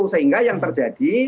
sehingga yang terjadi